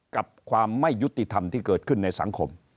กับความไม่ยุติธรรมที่เกิดขึ้นในสังคม